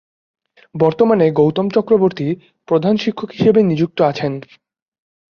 বর্তমানে গৌতম চক্রবর্তী প্রধান শিক্ষক হিসাবে নিযুক্ত আছেন।